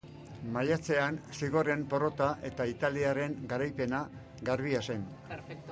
Maiatzean zigorren porrota eta italiarren garaipena garbia zen.